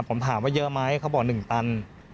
ผมถามว่าเยอะไหมเขาบอก๑ตัน